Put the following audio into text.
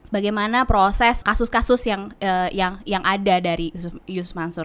bagaimana proses kasus kasus yang ada dari yus mansur